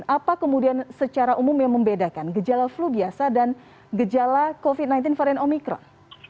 apa kemudian secara umum yang membedakan gejala flu biasa dan gejala covid sembilan belas varian omikron